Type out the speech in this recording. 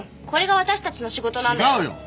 これが私たちの仕事なんだよ。